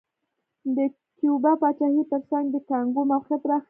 د کیوبا پاچاهۍ ترڅنګ د کانګو موقعیت راښيي.